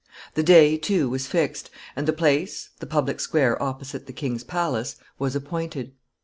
The day, too, was fixed, and the place the public square opposite the king's palace was appointed.